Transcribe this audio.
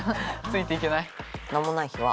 ついていけない。